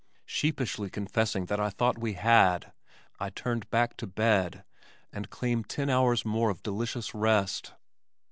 Sheepishly confessing that I thought we had, I turned back to bed, and claimed ten hours more of delicious rest.